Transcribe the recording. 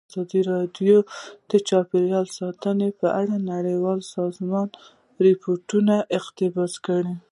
ازادي راډیو د چاپیریال ساتنه په اړه د نړیوالو سازمانونو راپورونه اقتباس کړي.